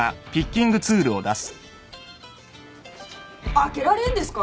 開けられるんですか？